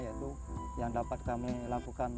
yaitu yang dapat kami lakukan